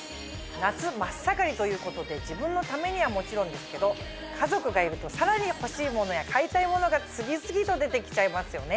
夏真っ盛りということで自分のためにはもちろんですけど家族がいるとさらに欲しい物や買いたい物が次々と出てきちゃいますよね